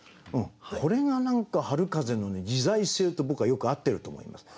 これが何か春風の自在性と僕はよく合ってると思います。